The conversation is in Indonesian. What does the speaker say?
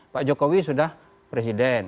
pak jokowi sudah presiden